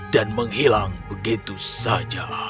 dan menghilang begitu saja